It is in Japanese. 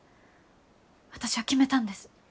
私は決めたんです。